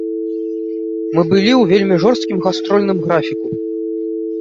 Мы былі ў вельмі жорсткім гастрольным графіку.